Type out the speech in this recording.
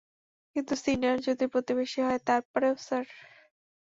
কিন্তু সিনিয়র যদি প্রতিবেশী হয়, তারপরেও, স্যার?